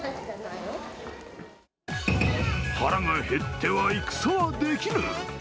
腹が減っては戦はできぬ。